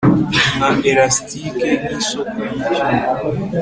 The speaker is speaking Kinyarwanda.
Nka elastike nkisoko yicyuma